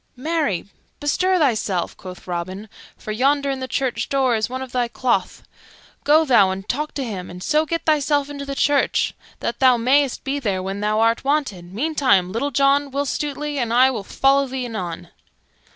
"Marry, bestir thyself," quoth Robin, "for yonder, in the church door, is one of thy cloth. Go thou and talk to him, and so get thyself into the church, that thou mayst be there when thou art wanted; meantime, Little John, Will Stutely, and I will follow thee anon."